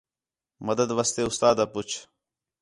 مدد واسطے اُستاد آ پُچھ